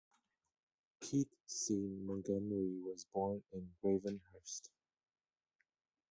Keith C. Montgomery was born in Gravenhurst.